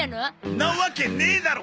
んなわけねえだろ！